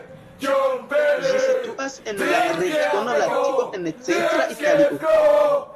Ĝi situas en la regiono Latio en centra Italio.